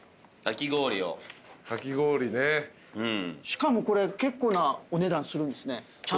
しかもこれ結構なお値段するんですね。